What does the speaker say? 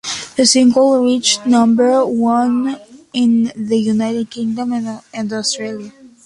The single reached number one in the United Kingdom and Australia.